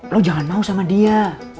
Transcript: lo jangan mau sama dia